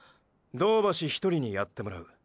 銅橋１人にやってもらう。